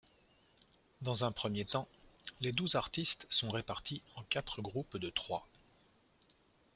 Dans un premier temps, les douze artistes sont répartis en quatre groupe de trois.